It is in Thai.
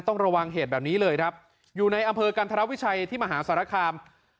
ต้องระวังเหตุแบบนี้เลยครับอยู่ในอำเภอกันธรวิชัยที่มหาสารคาม